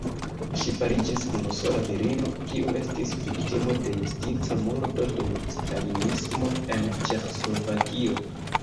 Ŝi fariĝis unusola virino, kiu estis viktimo de justica murdo dum stalinismo en Ĉeĥoslovakio.